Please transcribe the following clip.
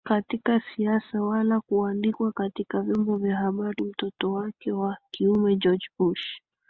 katika siasa wala kuandikwa katika vyombo vya habari Mtoto wake wa kiume George Bush